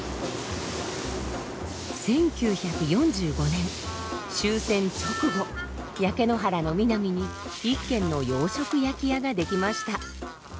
１９４５年終戦直後焼け野原のミナミに一軒の洋食焼き屋ができました。